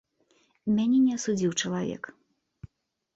Мяне не асудзіў чалавек.